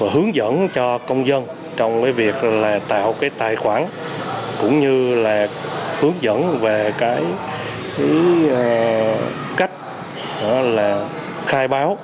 hướng dẫn cho công dân trong việc tạo tài khoản cũng như là hướng dẫn về cách khai báo